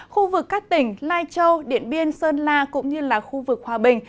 khu vực các tỉnh lai châu điện biên sơn la cũng như là khu vực hòa bình